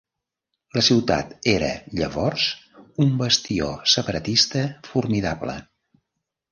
La ciutat era llavors un bastió separatista formidable.